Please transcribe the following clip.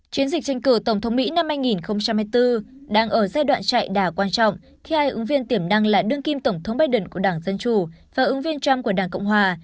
chiến dịch tranh cử tổng thống mỹ năm hai nghìn hai mươi bốn đang ở giai đoạn chạy đà quan trọng khi hai ứng viên tiềm năng là đương kim tổng thống biden của đảng dân chủ và ứng viên trump của đảng cộng hòa